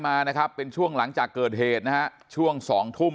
มานะครับเป็นช่วงหลังจากเกิดเหตุนะฮะช่วงสองทุ่ม